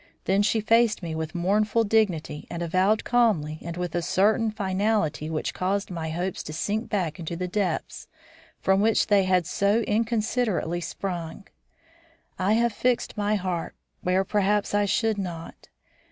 Then she faced me with mournful dignity and avowed calmly, and with a certain finality which caused my hopes to sink back into the depths from which they had so inconsiderately sprung, "I have fixed my heart where perhaps I should not.